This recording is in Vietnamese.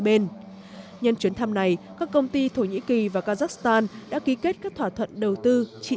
bên nhân chuyến thăm này các công ty thổ nhĩ kỳ và kazakhstan đã ký kết các thỏa thuận đầu tư chỉ